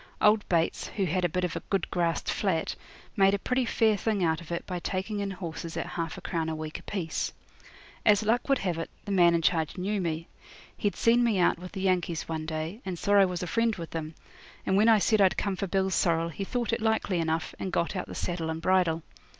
Old Bates, who had a bit of a good grassed flat, made a pretty fair thing out of it by taking in horses at half a crown a week apiece. As luck would have it, the man in charge knew me; he'd seen me out with the Yankees one day, and saw I was a friend with them, and when I said I'd come for Bill's sorrel he thought it likely enough, and got out the saddle and bridle.